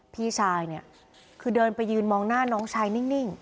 พี่ชายเนี่ยคือเดินไปยืนมองหน้าน้องชายนิ่ง